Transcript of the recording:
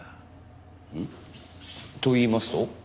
ん？といいますと？